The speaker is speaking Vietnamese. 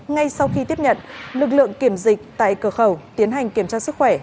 ngay sau khi tiếp nhận lực lượng kiểm dịch tại cửa khẩu tiến hành kiểm tra sức khỏe